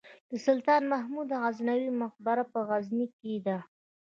د سلطان محمود غزنوي مقبره په غزني کې ده